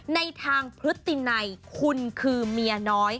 ในทางพฤตินัยคุณคือเมียน้อย